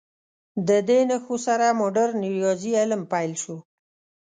د دې نښو سره مډرن ریاضي علم پیل شو.